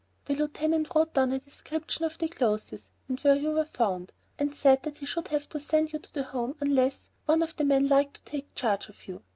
The lieutenant wrote down a description of the clothes and where you were found, and said that he should have to send you to the Home unless one of the men liked to take charge of you.